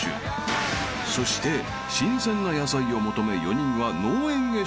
［そして新鮮な野菜を求め４人は農園へ集合］